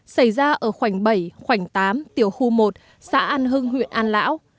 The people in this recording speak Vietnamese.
xảy ra ở khoảnh bảy khoảnh tám tiểu khu một xã an hưng huyện an lão